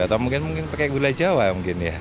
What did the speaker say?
atau mungkin pakai gula jawa mungkin ya